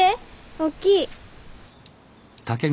おっきい。